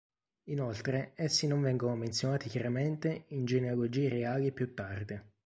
Inoltre essi non vengono menzionati chiaramente in genealogie reali più tarde.